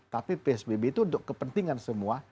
tapi psbb itu untuk kepentingan semua